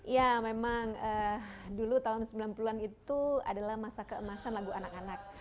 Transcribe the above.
ya memang dulu tahun sembilan puluh an itu adalah masa keemasan lagu anak anak